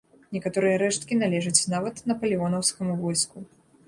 Некаторыя рэшткі належаць нават напалеонаўскаму войску.